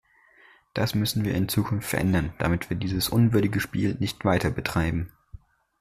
Das müssen wir in Zukunft verändern, damit wir dieses unwürdige Spiel nicht weiter betreiben.